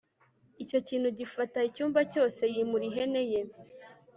Icyo kintu gifata icyumba cyose Yimura ihene ye